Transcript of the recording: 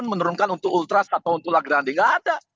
menurunkan untuk ultras atau untuk lagranding nggak ada